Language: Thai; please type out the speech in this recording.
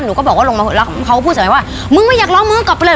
ก็บอกว่าลงมาแล้วเขาก็พูดใส่ไปว่ามึงไม่อยากร้องมึงกลับไปเลย